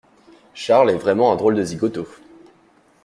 Charles est vraiment un drôle de zigoto.